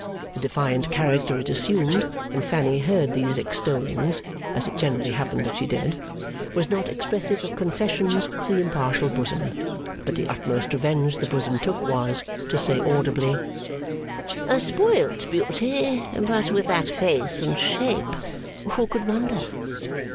The defiant character it assumed when Fanny heard these extollings (as it generally happened that she did), was not expressive of concessions to the impartial bosom; but the utmost revenge the bosom took was, to say audibly, 'A spoilt beauty but with that face and shape, who could wonder?